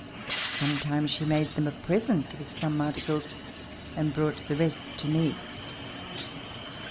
Sometimes she made them a present of some articles and brought the rest to me.